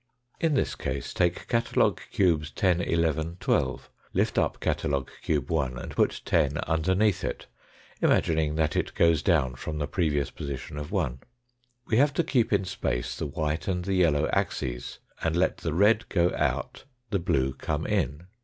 In this case take catalogue cubes 10, 11, 12. Lift up catalogue cube 1 and put 10 underneath it, imagining that it goes down from the previous position of 1. We have to keep in space the white and the yellow axes, and let the red go out, the blue come in.